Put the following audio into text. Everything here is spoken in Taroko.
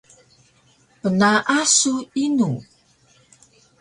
Pnaah su inu?